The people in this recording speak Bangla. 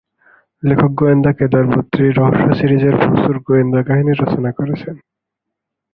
লেখক গোয়েন্দা কেদার-বদ্রী রহস্য সিরিজের প্রচুর গোয়েন্দা কাহিনী রচনা করেছেন।